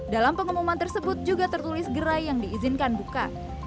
dalam pengumuman tersebut juga tertulis gerai yang diizinkan buka